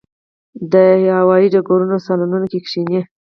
د هوايي ډګرونو صالونونو کې کښېني.